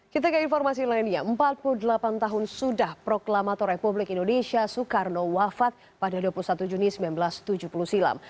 kita ke informasi lainnya empat puluh delapan tahun sudah proklamator republik indonesia soekarno wafat pada dua puluh satu juni seribu sembilan ratus tujuh puluh silam